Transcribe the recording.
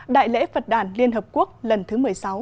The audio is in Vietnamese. đại lễ phật đàn liên hợp quốc lần thứ một mươi sáu